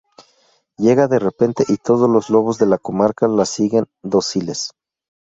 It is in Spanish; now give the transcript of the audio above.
Llega de repente y todos los lobos de la comarca la siguen dóciles.